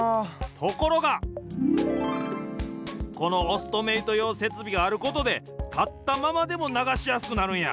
ところがこのオストメイトようせつびがあることでたったままでもながしやすくなるんや。